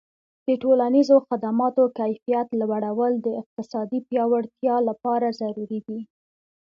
د ټولنیزو خدماتو کیفیت لوړول د اقتصادي پیاوړتیا لپاره ضروري دي.